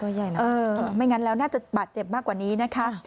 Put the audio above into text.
ใหญ่นะไม่งั้นแล้วน่าจะบาดเจ็บมากกว่านี้นะคะ